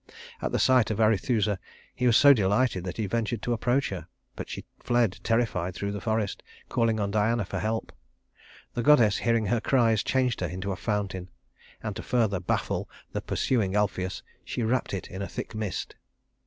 At the sight of Arethusa he was so delighted that he ventured to approach her; but she fled terrified through the forest, calling on Diana for help. The goddess, hearing her cries, changed her into a fountain; and to further baffle the pursuing Alpheus, she wrapped it in a thick mist.